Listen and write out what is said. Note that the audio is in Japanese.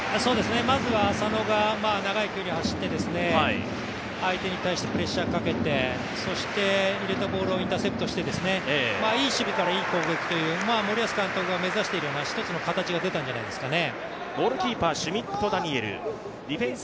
まずは浅野が長い距離を走ってきて相手に対してプレッシャーかけて入れたボールをインターセプトして、いい守備からいい攻撃という、森保監督が目指しているという一つの形が出たんじゃないですかね。